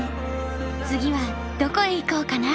次はどこへ行こうかな。